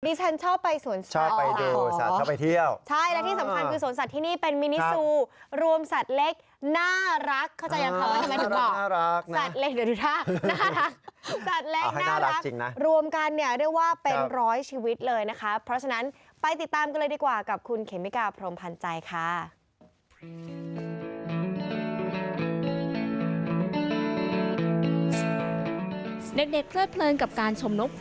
นี่ฉันชอบไปสวนสัตว์หรออ๋อ